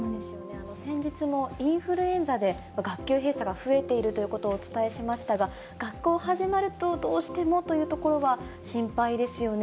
先日もインフルエンザで学級閉鎖が増えているということをお伝えしましたが、学校始まると、どうしてもというところは、心配ですよね。